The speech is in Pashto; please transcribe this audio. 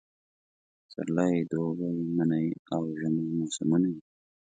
پسرلی، دوبی، منی اوژمی موسمونه